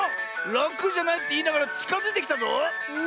「ラクじゃない」っていいながらちかづいてきたぞ！